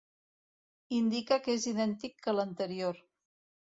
Indica que és idèntic que l'anterior.